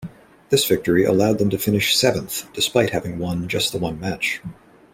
This victory allowed them to finish seventh despite having won just the one match.